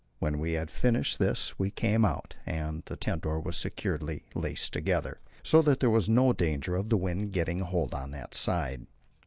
When we had finished this we came out, and the tent door was securely laced together, so that there was no danger of the wind getting a hold on that side.